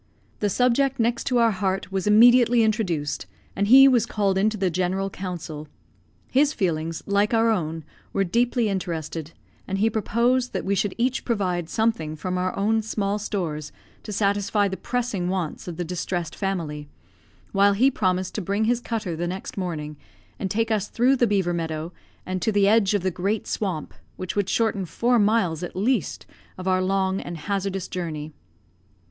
The subject next to our heart was immediately introduced, and he was called into the general council. His feelings, like our own, were deeply interested; and he proposed that we should each provide something from our own small stores to satisfy the pressing wants of the distressed family; while he promised to bring his cutter the next morning, and take us through the beaver meadow, and to the edge of the great swamp, which would shorten four miles, at least, of our long and hazardous journey.